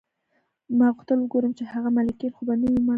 ما غوښتل وګورم چې هغه ملکیان خو به نه وي مړه